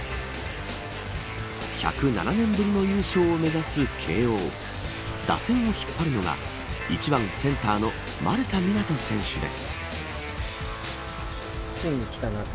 １０７年ぶりの優勝を目指す慶応打線を引っ張るのが１番センターの丸田湊斗選手です。